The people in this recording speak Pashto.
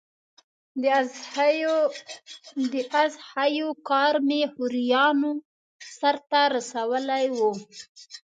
د اضحیو کار مې خوریانو سرته رسولی و.